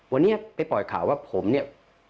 วันนี้ไปปล่อยข่าวว่าผมเนี่ย